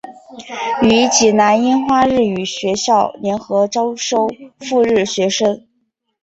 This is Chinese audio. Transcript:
与济南樱花日语学校联合招收赴日学生。